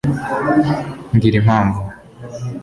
mbwira impamvu